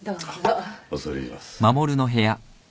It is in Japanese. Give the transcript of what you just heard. あっ恐れ入ります。